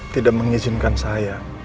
tidak mengizinkan saya